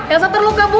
elsa terluka bu